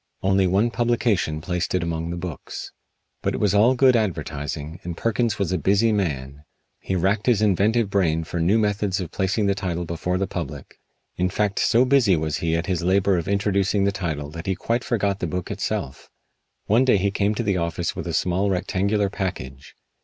Only one publication placed it among the books. But it was all good advertising, and Perkins was a busy man. He racked his inventive brain for new methods of placing the title before the public. In fact so busy was he at his labor of introducing the title that he quite forgot the book itself. One day he came to the office with a small, rectangular package.